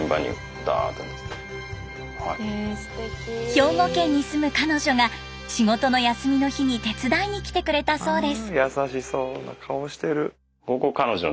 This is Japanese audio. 兵庫県に住む彼女が仕事の休みの日に手伝いに来てくれたそうです。